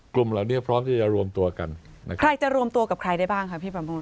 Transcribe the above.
กลุ่มเหล่านี้พร้อมที่จะรวมตัวกันนะครับใครจะรวมตัวกับใครได้บ้างค่ะพี่ประโมท